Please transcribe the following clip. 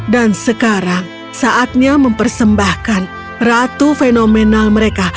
dan sekarang saatnya mempersembahkan ratu fenomenal mereka